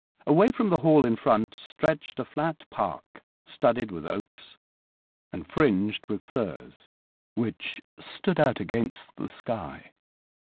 Away from the Hall in front stretched a flat park studded with oaks and fringed with firs, which stood out against the sky.